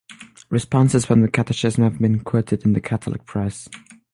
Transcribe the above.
Responses from the "Catechism" have been quoted in the Catholic press.